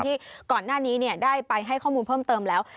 ที่ก่อนหน้านี้ได้ไปให้ข้อมูลเพิ่มเติมแล้ว